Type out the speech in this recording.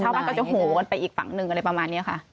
บ้านก็จะโหกันไปอีกฝั่งหนึ่งอะไรประมาณนี้ค่ะ